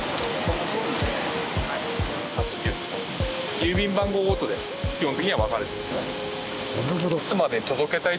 郵便番号ごとで基本的には分かれている。